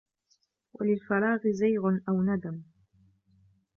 وَلِلْفَرَاغِ زَيْغٌ أَوْ نَدَمٌ